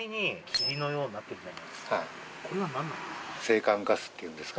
これは何なんですか？